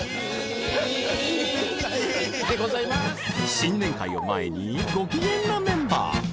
［新年会を前にご機嫌なメンバー］